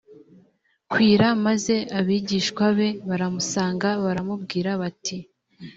kwira maze abigishwa be baramusanga baramubwira bati